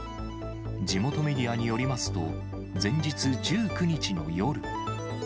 地元メディアによりますと、前日１９日の夜。